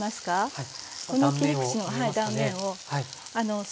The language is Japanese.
はい。